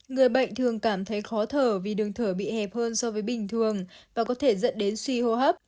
người bệnh thường cảm thấy khó thở vì đường thở bị hẹp hơn so với bình thường và có thể dẫn đến suy hô hấp